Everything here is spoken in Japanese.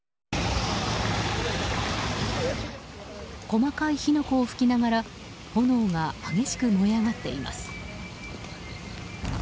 細かい火の粉を噴きながら炎が激しく燃え上がっています。